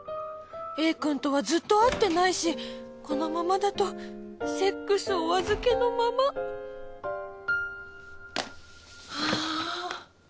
Ａ くんとはずっと会ってないしこのままだとセックスお預けのままハァ